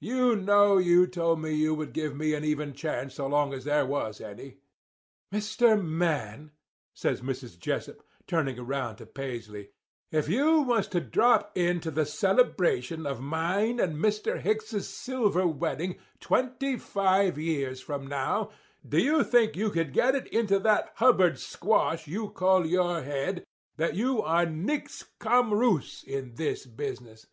You know you told me you would give me an even chance as long as there was any.' "'Mr. Man,' says Mrs. Jessup, turning around to Paisley, 'if you was to drop in to the celebration of mine and Mr. Hicks's silver wedding, twenty five years from now, do you think you could get it into that Hubbard squash you call your head that you are nix cum rous in this business?